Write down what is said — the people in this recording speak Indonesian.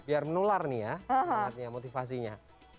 biar menular nih ya semangatnya motivasinya